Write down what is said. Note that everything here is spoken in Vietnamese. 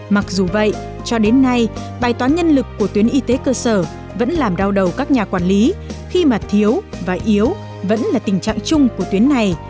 mặc dù vậy cho đến nay bài toán nhân lực của tuyến y tế cơ sở vẫn làm đau đầu các nhà quản lý khi mà thiếu và yếu vẫn là tình trạng chung của tuyến này